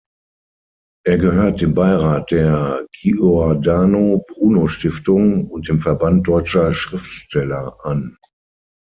Er gehört dem Beirat der Giordano-Bruno-Stiftung und dem Verband Deutscher Schriftsteller an.